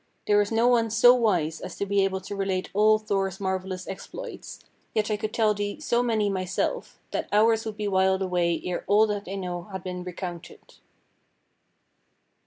There is no one so wise as to be able to relate all Thor's marvellous exploits, yet I could tell thee so many myself that hours would be whiled away ere all that I know had been recounted."